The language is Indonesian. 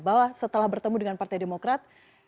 bahwa setelah bertemu dengan partai demokrat